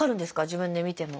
自分で見ても。